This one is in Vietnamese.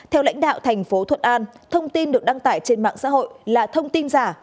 theo lãnh đạo tp thuận an thông tin được đăng tải trên mạng xã hội là thông tin giả